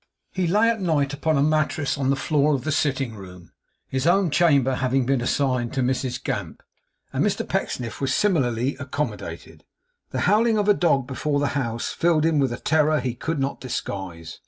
He lay at night upon a mattress on the floor of the sitting room; his own chamber having been assigned to Mrs Gamp; and Mr Pecksniff was similarly accommodated. The howling of a dog before the house, filled him with a terror he could not disguise.